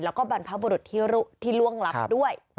แล้วก็บรรพบุรุษที่ล่วงลับด้วย